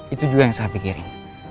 itu juga yang saya pikirin